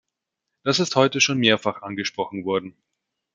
Das ist heute schon mehrfach angesprochen worden.